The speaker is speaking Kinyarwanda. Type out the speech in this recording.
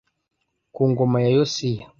ku ngoma ya Yosiya